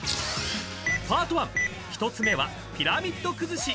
［パート１１つ目はピラミッド崩し］